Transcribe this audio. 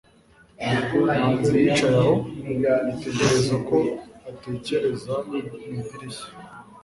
manzi yicaye aho, yitegereza uko atekereza mu idirishya